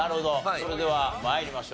それでは参りましょう。